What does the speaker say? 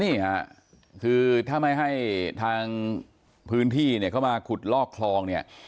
นี่ค่ะคือถ้าไม่ให้ทางพื้นที่เนี่ยเข้ามาขุดลอกคลองเนี่ย